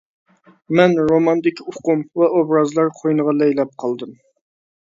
مەن روماندىكى ئۇقۇم ۋە ئوبرازلار قوينىدا لەيلەپ قالدىم.